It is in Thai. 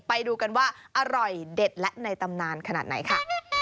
ไปดูกันว่าอร่อยเด็ดและในตำนานขนาดไหนค่ะ